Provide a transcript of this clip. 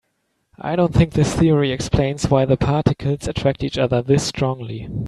I don't think this theory explains why the particles attract each other this strongly.